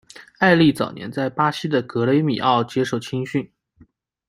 埃利早年在巴西的格雷米奥接受青训。